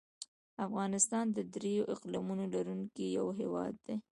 افغانستان د ډېرو اقلیمونو لرونکی یو هېواد دی.